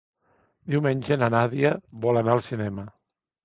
Diumenge na Nàdia vol anar al cinema.